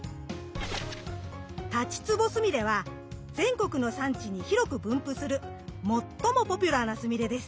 タチツボスミレは全国の山地に広く分布する最もポピュラーなスミレです。